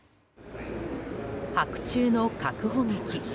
白昼の確保劇。